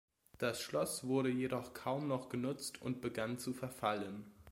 Das Schloss wurde jedoch kaum noch genutzt und begann zu verfallen.